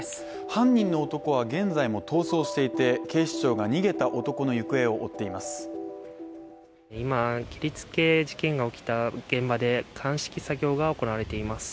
犯人の男は現在も逃走していて警視庁が、逃げた男の行方を追っています。